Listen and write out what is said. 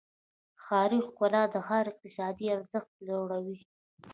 ښاري ښکلا د ښار اقتصادي ارزښت لوړوي.